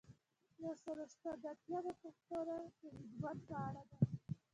یو سل او شپږ اتیایمه پوښتنه د خدمت په اړه ده.